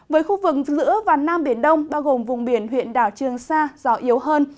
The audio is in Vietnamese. với khu vực giữa và nam biển đông bao gồm vùng biển huyện đảo trường sa gió yếu hơn